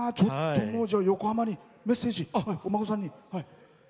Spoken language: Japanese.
横浜にメッセージお孫さんに。